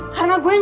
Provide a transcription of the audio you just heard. karena gue gak mau